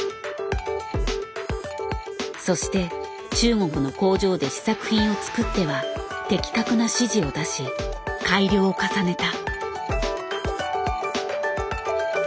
そして中国の工場で試作品を作っては的確な指示を出し改良を重ねた。